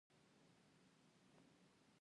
ځینې ټاپوګان د سیاحانو لپاره مشهوره ځایونه دي.